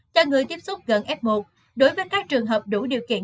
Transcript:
cho người tiếp xúc gần f một đối với các trường hợp đủ điều kiện